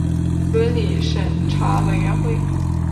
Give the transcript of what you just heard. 伦理审查委员会